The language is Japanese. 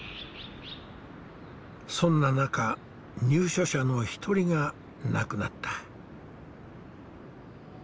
そんな中入所者の一人が亡くなった。